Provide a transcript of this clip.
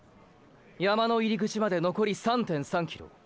山の入り口までのこり３．３キロ。